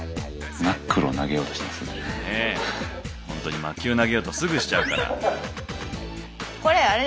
ほんとに魔球投げようとすぐしちゃうから。